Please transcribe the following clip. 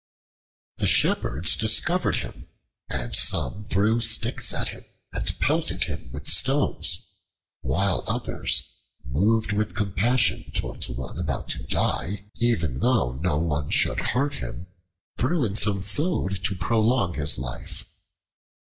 The Shepherds discovered him, and some threw sticks at him and pelted him with stones, while others, moved with compassion towards one about to die even though no one should hurt him, threw in some food to prolong his life.